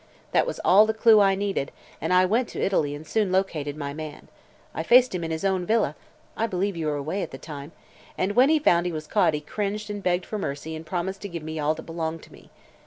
That was all the clew I needed and I went to Italy and soon located my man. I faced him in his own villa I believe you were away at the time and when he found he was caught he cringed and begged for mercy and promised to give me all that belonged to me.